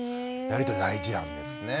やり取り大事なんですね。